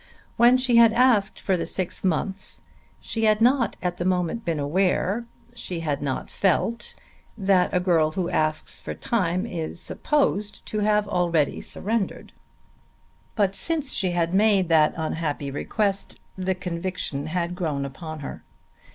When she had asked for the six months she had not at the moment been aware, she had not then felt, that a girl who asks for time is supposed to have already surrendered. But since she had made that unhappy request the conviction had grown upon her.